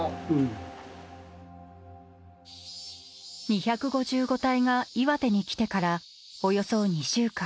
二五五隊が岩手に来てからおよそ２週間。